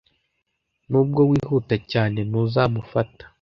Nubwo wihuta cyane, ntuzamufata.